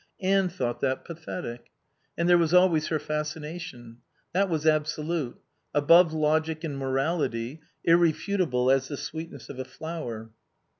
Anne thought that pathetic. And there was always her fascination. That was absolute; above logic and morality, irrefutable as the sweetness of a flower.